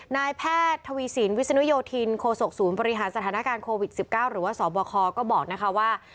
นายแพทย์ทวีสินวิศนุโยธินโคศกศูนย์บริหารสถานการณ์โควิด๑๙หรือว่าสบคก็บอกนะคะว่า